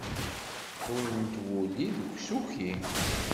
Ṭwint wulli deg usuki.